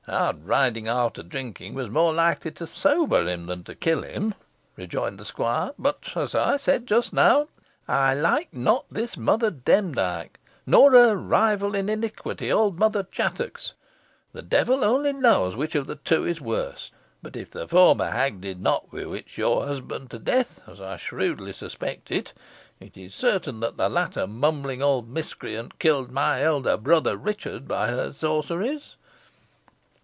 "Hard riding after drinking was more likely to sober him than to kill him," rejoined the squire. "But, as I said just now, I like not this Mother Demdike, nor her rival in iniquity, old Mother Chattox. The devil only knows which of the two is worst. But if the former hag did not bewitch your husband to death, as I shrewdly suspect, it is certain that the latter mumbling old miscreant killed my elder brother, Richard, by her sorceries."